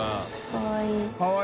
かわいい。